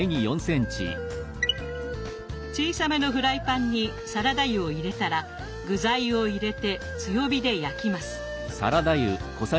小さめのフライパンにサラダ油を入れたら具材を入れて強火で焼きます。